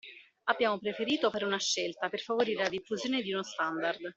Abbiamo preferito fare una scelta, per favorire la diffusione di uno standard.